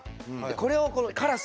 これをこのカラス。